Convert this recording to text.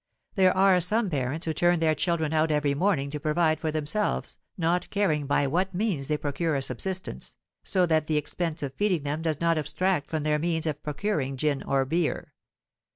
There are some parents who turn their children out every morning to provide for themselves, not caring by what means they procure a subsistence, so that the expense of feeding them does not abstract from their means of procuring gin or beer.